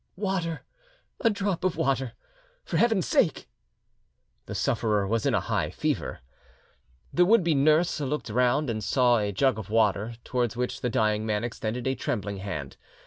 "Water, a drop of water, for Heaven's sake!" The sufferer was in a high fever. The would be nurse looked round and saw a jug of water, towards which the dying man extended a trembling hand.